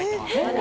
何？